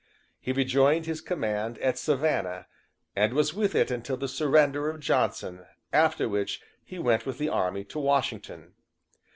He rejoined his command at Savannah, and was with it until the surrender of Johnson, after which he went with the army to Washington.